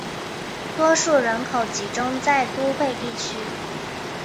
多数人口集中在都会地区。